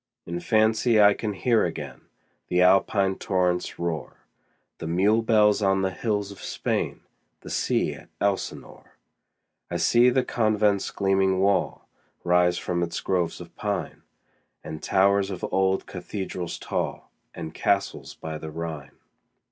In fancy I can hear again The Alpine torrent's roar, The mule bells on the hills of Spain, 15 The sea at Elsinore. I see the convent's gleaming wall Rise from its groves of pine, And towers of old cathedrals tall, And castles by the Rhine.